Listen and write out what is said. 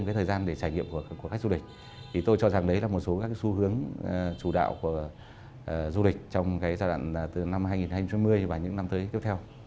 cái thời gian để trải nghiệm của khách du lịch thì tôi cho rằng đấy là một số các xu hướng chủ đạo của du lịch trong cái giai đoạn từ năm hai nghìn hai mươi và những năm tới tiếp theo